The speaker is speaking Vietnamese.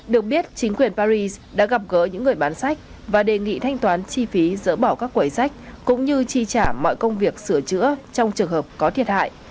được biết chính quyền paris đã gặp gỡ những người bán sách và đề nghị thanh toán chi phí dỡ bỏ các quầy sách cũng như chi trả mọi công việc sửa chữa trong trường hợp có thiệt hại